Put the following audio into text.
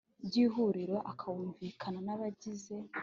by ihuriro akawumvikanaho n abagize